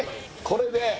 これで？